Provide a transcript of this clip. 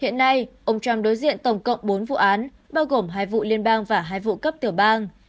hiện nay ông trump đối diện tổng cộng bốn vụ án bao gồm hai vụ liên bang và hai vụ cấp tiểu bang